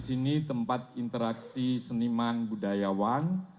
ini tempat interaksi seniman budayawan